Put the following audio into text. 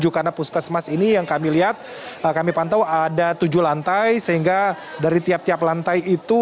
karena kuskesmas ini yang kami lihat kami pantau ada tujuh lantai sehingga dari tiap tiap lantai itu